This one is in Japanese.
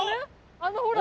あのほら。